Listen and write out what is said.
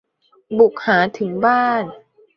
บุกหาถึงบ้าน